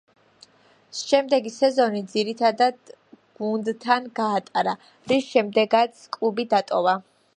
შემდეგი სეზონი ძირითად გუნდთან გაატარა, რის შემდეგაც კლუბი დატოვა.